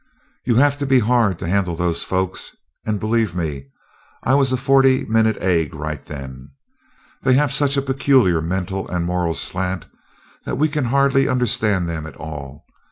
"You have to be hard to handle those folks and believe me, I was a forty minute egg right then. They have such a peculiar mental and moral slant that we can hardly understand them at all.